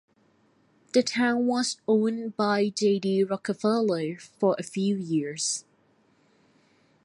The town was owned by J. D. Rockefeller for a few years.